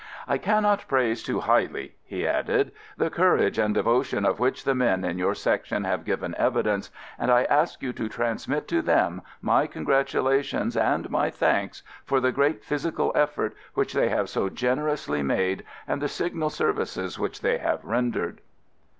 "I cannot praise too highly," he added, "the courage and devotion of which the men in your Section have given evidence, and I ask you to transmit to them my congratula tions and my thanks for the great physical effort which they have so generously made and the signal services which they have rendered."